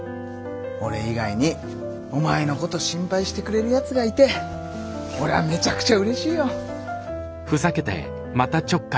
俺以外にお前のこと心配してくれるやつがいて俺はめちゃくちゃうれしいよ。